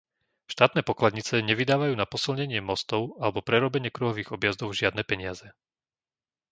Štátne pokladnice nevydávajú na posilnenie mostov alebo prerobenie kruhových objazdov žiadne peniaze.